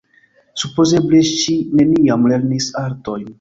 Supozeble ŝi neniam lernis artojn.